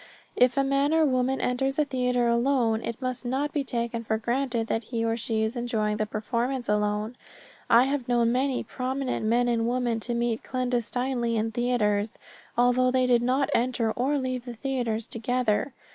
If a man or woman enters a theater alone, it must not be taken for granted that he or she is enjoying the performance alone. I have known many prominent men and women to meet clandestinely in theaters, although they did not enter or leave the theaters together.